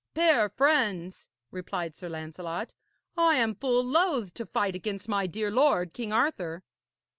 'Fair friends,' replied Sir Lancelot, 'I am full loth to fight against my dear lord, King Arthur.'